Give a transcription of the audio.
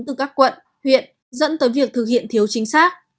từ các quận huyện dẫn tới việc thực hiện thiếu chính xác